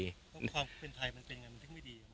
ความเป็นไทยมันเป็นอย่างไรมันไม่ดี